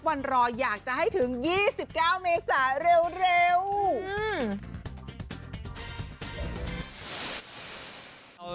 วันรออยากจะให้ถึงยี่สิบเก้าเมษาเร็วเร็วอืม